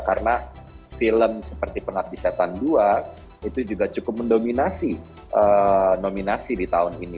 karena film seperti penat di setan dua itu juga cukup mendominasi nominasi di tahun ini